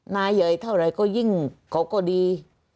นายใหญ่เท่าไหร่ก็ยิ่งเขาก็ดี